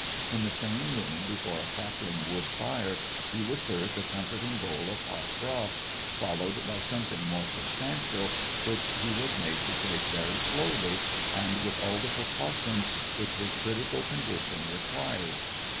In the same room, before a crackling wood fire, he was served a comforting bowl of hot broth, followed by something more substantial, which he was made to take very slowly and with all the precautions which his critical condition required.